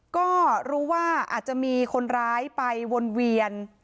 ก็รู้ว่าอาจจะมีคนร้ายไปวนเวียน